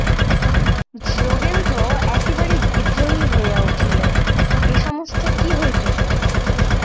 যোগেন্দ্র একেবারে বিদ্রোহী হইয়া উঠিল–এ-সমস্ত কী হইতেছে?